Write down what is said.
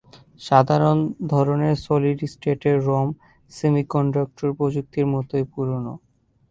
সাধারণ ধরনের সলিড স্টেটের রম সেমিকন্ডাক্টর প্রযুক্তির মতই পুরনো।